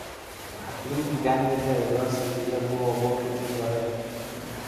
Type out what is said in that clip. Aplink gyvenvietę ir jos viduje buvo vokiečių dvarai.